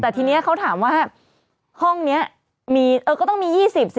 แต่ทีเนี้ยเขาถามว่าห้องเนี้ยมีเออก็ต้องมียี่สิบสิ